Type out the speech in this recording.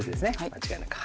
間違いなく。